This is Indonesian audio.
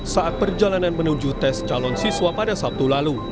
saat perjalanan menuju tes calon siswa pada sabtu lalu